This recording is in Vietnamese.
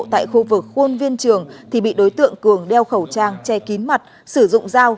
tại khu vực khuôn viên trường thì bị đối tượng cường đeo khẩu trang che kín mặt sử dụng dao